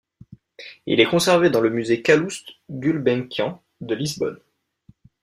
Il est conservé dans le Musée Calouste Gulbenkian de Lisbonne.